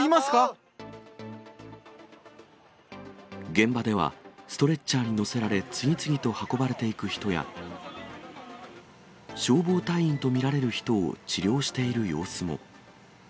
現場では、ストレッチャーに乗せられ、次々と運ばれていく人や、消防隊員と見られる人を治療している様子も。